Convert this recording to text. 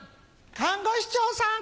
看護師長さん